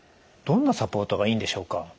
どんなサポートがいいんでしょうか？